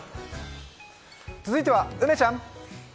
続いては梅ちゃん！